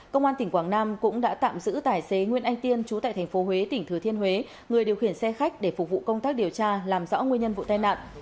công an tỉnh quảng nam cũng đã tạm giữ tài xế nguyễn anh tiên chú tại tp huế tỉnh thừa thiên huế người điều khiển xe khách để phục vụ công tác điều tra làm rõ nguyên nhân vụ tai nạn